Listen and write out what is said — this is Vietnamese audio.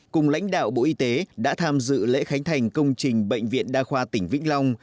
cùng lãnh đạo bộ y tế đã tham dự lễ khánh thành công trình bệnh viện đa khoa tỉnh vĩnh long